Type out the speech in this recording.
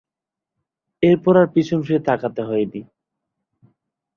এরপর আর পিছন ফিরে তাকাতে হয়নি।